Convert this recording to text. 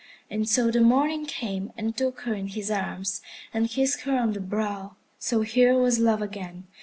And so the Morning came and took her in his arms and kissed her on the brow. So here was Love again.